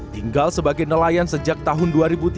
tinggal sebagai nelayan sejak tahun dua ribu tiga belas